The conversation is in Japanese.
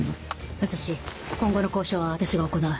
武蔵今後の交渉は私が行う。